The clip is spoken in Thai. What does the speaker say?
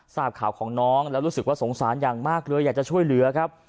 ทราบข่าวของน้องแล้วรู้สึกว่าสงสารอย่างมากเลยอยากจะช่วยเหลือครับ